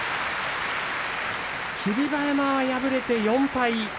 霧馬山、敗れて４敗目。